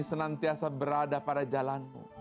senantiasa berada pada jalanmu